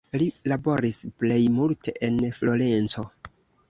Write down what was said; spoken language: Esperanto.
Li laboris plej multe en Florenco.